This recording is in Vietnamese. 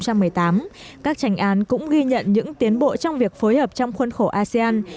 các tranh án cũng ghi nhận những tiến bộ trong việc phối hợp trong khuôn khổ asean